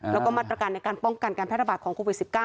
แล้วก็มันประกันในการป้องกันการพยาบาลของโควิด๑๙